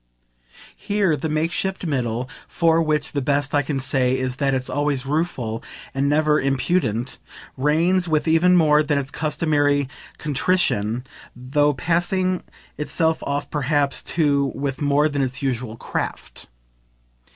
Here the makeshift middle for which the best I can say is that it's always rueful and never impudent reigns with even more than its customary contrition, though passing itself off perhaps too with more than its usual craft.